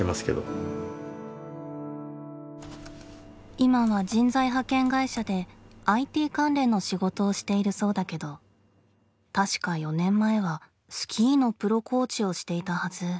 今は人材派遣会社でＩＴ関連の仕事をしているそうだけど確か４年前はスキーのプロコーチをしていたはず。